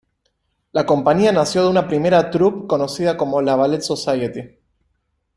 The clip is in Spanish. La compañía nació de una primera troupe conocida como la Ballet Society.